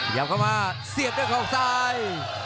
หยับเข้ามาเสียบด้วยของซ้าย